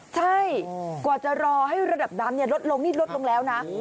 ใช่กว่าจะรอให้ระดับน้ำลดลงนี่ลดลงแล้วนะ